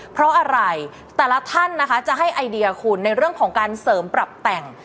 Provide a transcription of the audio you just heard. เพราะอะไรแต่ละท่านนะคะจะให้ไอเดียคุณในเรื่องของการเสริมปรับแต่ง